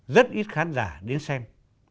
rất ít khán giả đến xem